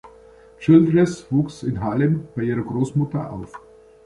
Childress wuchs in Harlem bei ihrer Großmutter auf.